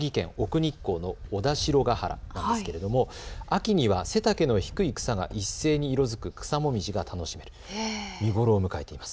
日光の小田代ヶ原なんですけど秋には背丈の低い草が一斉に色づく草紅葉が楽しめます。